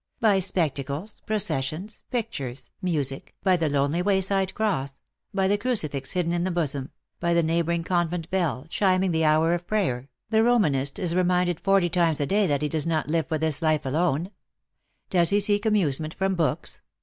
By spectacles, processions, pictures, music, by the lonely way side cross, by the crucifix hidden in the bosom, by the neighboring convent bell, chiming the hour of prayer, the Romanist is reminded forty times a day that he does not live for this life alone. Does he seek amusement from books?